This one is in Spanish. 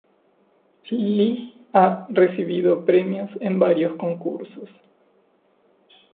Li ha recibido premios en varios concursos.